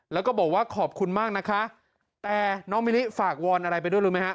แล้วก็บอกว่าขอบคุณมากนะคะแต่น้องมิลิฝากวอนอะไรไปด้วยรู้ไหมฮะ